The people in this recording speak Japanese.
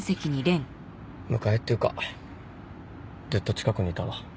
迎えっていうかずっと近くにいたわ。